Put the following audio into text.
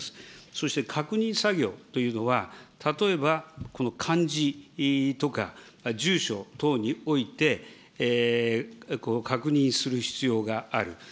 そして確認作業というのは、例えば、この漢字とか、住所等において、確認する必要がある。